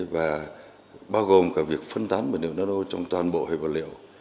và bao gồm cả việc phân tán vật liệu nano trong toàn bộ hệ vật liệu